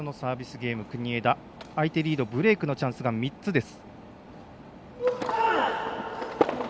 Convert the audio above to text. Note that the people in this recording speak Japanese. ゲーム国枝相手リードブレークのチャンスが３つです。